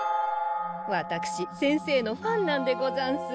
私先生のファンなんでござんす。